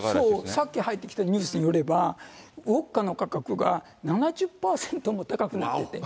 さっき入ってきたニュースによりますと、ウォッカの価格が７０％も高くなってて。